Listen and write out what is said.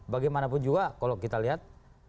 bagaimanapun juga kalau kita lihat